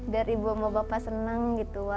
biar ibu sama bapak senang gitu